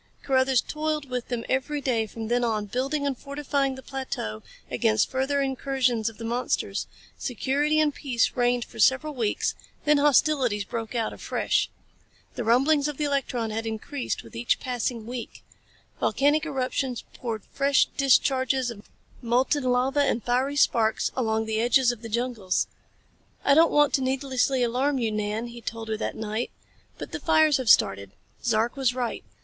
Carruthers toiled with them every day from then on, building and fortifying the plateau against further incursions of the monsters. Security and peace reigned for several weeks then hostilities broke out afresh. The rumblings of the electron had increased with each passing week. Volcanic eruptions poured fresh discharges of molten lava and fiery sparks along the edges of the jungles. "I don't want to needlessly alarm you, Nan," he told her that night, "but the fires have started. Zark was right.